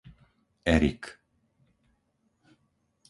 Erik